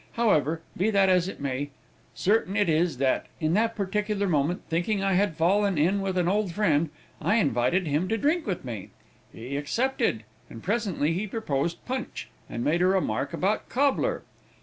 However, be that as it may, certain it is, that, at that particular moment, thinking I had fallen in with an old friend, I invited him to drink with me. He accepted, and presently he proposed punch, and made a remark about cobbler.